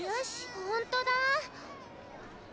ほんとだ。